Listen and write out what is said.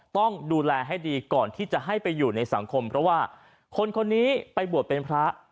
ต้องดูแลให้ดีก่อนที่จะให้ไปอยู่ในสังคมเพราะว่าคนคนนี้ไปบวชเป็นพระ